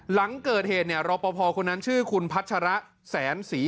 หลังเกิดเฮทเนี่ยร่อพ่อคนนั้นชื่อคุณพัชรสรร